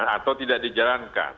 atau tidak dijalankan